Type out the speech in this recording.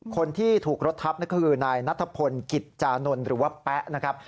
คนที่ถูกรถทับนั่นก็คือนายนัทพลกิจจานนท์หรือว่าแป๊ะนะครับ